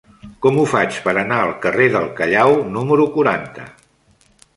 Com ho faig per anar al carrer del Callao número quaranta?